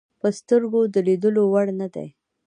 په سترګو د لیدلو وړ نه دي.